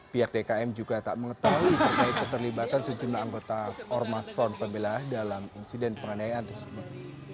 pihak dkm juga tak mengetahui terkait keterlibatan sejumlah anggota ormas front pembelah dalam insiden penganayaan tersebut